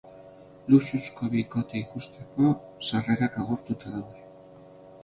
Luxuzko bikotea ikusteko sarrerak agortuta daude.